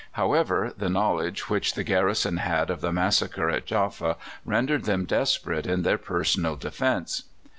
However, the knowledge which the garrison had of the massacre at Jaffa rendered them desperate in their personal defence.